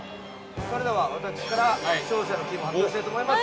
◆それでは私から勝者のチームを発表したいと思います。